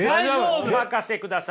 お任せください。